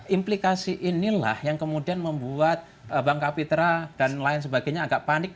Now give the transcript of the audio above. implikasi inilah yang kemudian membuat bang kapitra dan lain sebagainya agak panik